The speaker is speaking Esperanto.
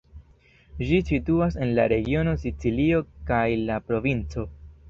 Ĝi situas en la regiono Sicilio kaj la provinco.